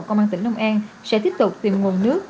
công an tỉnh long an sẽ tiếp tục tìm nguồn nước